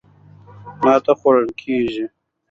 ماتې خوړل کېږي.